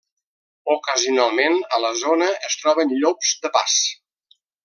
Ocasionalment, a la zona, es troben llops de pas.